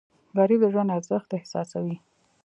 غریب د ژوند ارزښت احساسوي